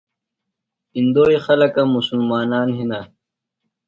اندوئی خلکہ مُسلمانان ہِنہ۔